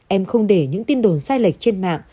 em không để những tin đồn sai lệch trên mạng